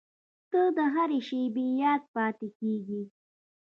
• ته د هر شېبې یاد پاتې کېږې.